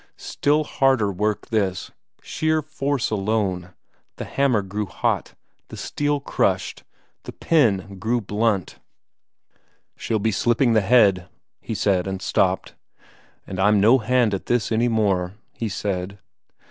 Still harder work this, sheer force alone, the hammer grew hot, the steel crushed, the pen grew blunt. "She'll be slipping the head," he said, and stopped. "And I'm no hand at this any more," he said.